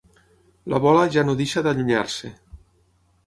La bola ja no deixa d'allunyar-se.